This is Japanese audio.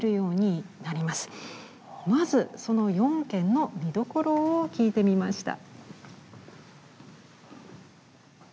まずその４件の見どころを聞いてみました。